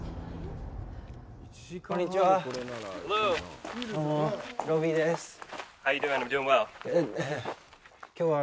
こんにちは。